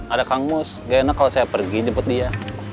ada kangmus enggak enak kalau saya pergi jemput dia